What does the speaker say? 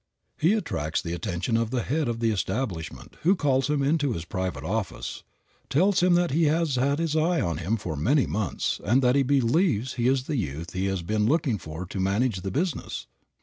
He attracts the attention of the head of the establishment, who calls him into his private office, tells him that he has had his eye on him for many months and that he believes he is the youth he has been looking for to manage the business.